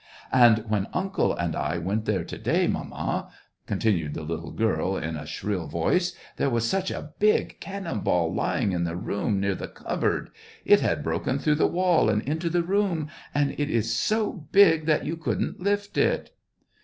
"And when uncle and I went there to day, mamma," continued the little girl, in a shrill voice, " there was such a big cannon ball lying in the room, near the cupboard ; it had broken through the wall and into the room ... and it is so big that you couldn't lift it.'